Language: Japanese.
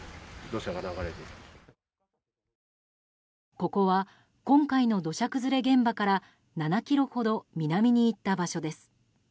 ここは今回の土砂崩れ現場から７ｋｍほど南に行った場所です。